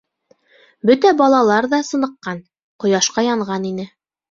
Бөтә балалар ҙа сыныҡҡан, ҡояшҡа янған ине.